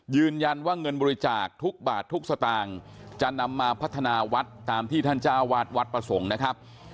ยืนยันว่าเงินบริจาคทุกบาททุกสตางค์จะนำมาพัฒนาวัดตามที่ท่านเจ้าวาดวัดประสงค์นะครับ